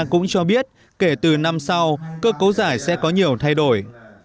cũng cho biết kể từ năm sau cơ cấu giải sẽ có nhiều thay đổi